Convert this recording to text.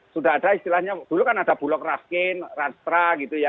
sudah ada istilahnya dulu kan ada bulog raskin rastra gitu ya